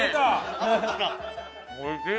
おいしい。